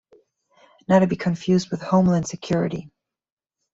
Not to be confused with Homeland security.